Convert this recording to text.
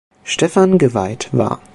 Stephan geweiht war.